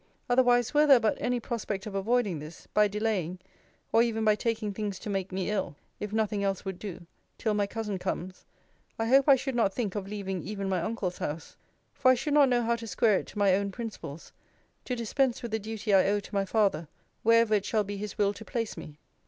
Otherwise, were there but any prospect of avoiding this, by delaying (or even by taking things to make me ill, if nothing else would do,) till my cousin comes, I hope I should not think of leaving even my uncle's house. For I should not know how to square it to my own principles, to dispense with the duty I owe to my father, wherever it shall be his will to place me.